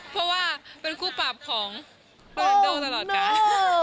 เพราะว่าเป็นคู่ปรับของโปรแนนโดตลอดการ